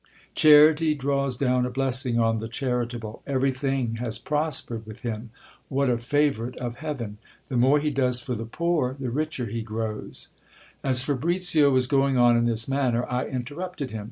Charity draws down a blessing on the charitable, everything has prospered with him. What a fav ourite of heaven ! The more he does for the poor, the richer_he_grows. As Fabricio was going on in this manner, I interrupted him.